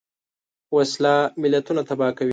وسله ملتونه تباه کوي